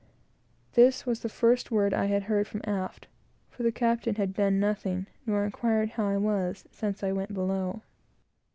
This was the first word I had heard from aft; for the captain had done nothing, nor inquired how I was, since I went below.